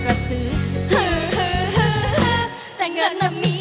ฮุยฮาฮุยฮารอบนี้ดูทางเวที